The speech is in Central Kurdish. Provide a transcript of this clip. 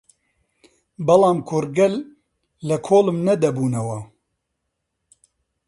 بەڵام کوڕگەل لە کۆڵم نەدەبوونەوە